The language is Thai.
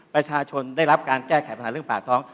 ประชาชนได้รับการแก้ไขปัญหาเรื่องปากท้อง